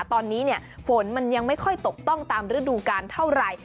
ตอนนี้ฝนมันยังไม่ค่อยตกต้องตามฤดูการเท่าไหร่